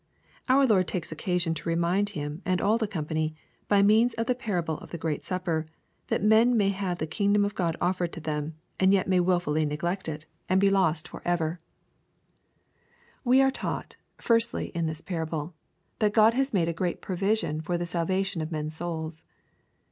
Our Lord takes occasion to remind him and all the company, by meaus of the parable of the great supper, that men may have the kingdom of God oftered to them, &.nd yet may wilfully neglect it, and be lost for ever. 160 EXPOSITORY THOUGHTS. We are taught, firstly, in this parable, that Ood has made a great provision for the salvation of men's souls.